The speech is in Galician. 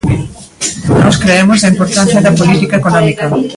Nós cremos na importancia da política económica.